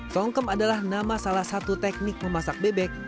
songkem adalah nama salah satu teknik memasak bebek